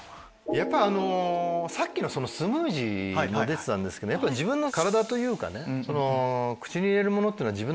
やっぱあのさっきのスムージーも出てたんですけどやっぱり自分の体というかね。